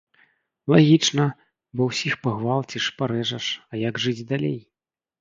Лагічна, бо ўсіх пагвалціш, парэжаш, а як жыць далей?